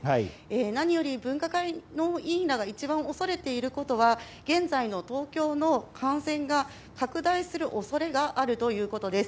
何より分科会の委員らが一番恐れていることは現在の東京の感染が拡大する恐れがあるということです。